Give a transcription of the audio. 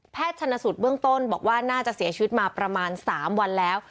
ชนสูตรเบื้องต้นบอกว่าน่าจะเสียชีวิตมาประมาณ๓วันแล้ว